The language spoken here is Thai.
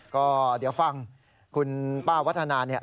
ก็เดี๋ยวฟังคุณป้าวัฒนาเนี่ย